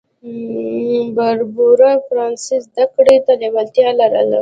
بربرو فرانسې زده کړې ته لېوالتیا لرله.